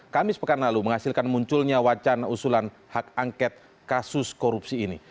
kamis pekan lalu menghasilkan munculnya wacana usulan hak angket kasus korupsi ini